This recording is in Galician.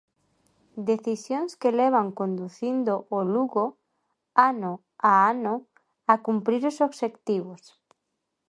Decisións que levan conducindo o Lugo, ano a ano, a cumprir os obxectivos.